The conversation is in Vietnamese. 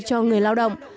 cho người lao động